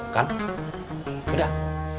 tuh kan udah